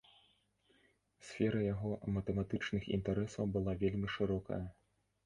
Сфера яго матэматычных інтарэсаў была вельмі шырокая.